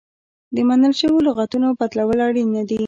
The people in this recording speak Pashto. د منل شویو لغتونو بدلول اړین نه دي.